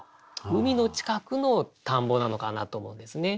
海の近くの田んぼなのかなと思うんですね。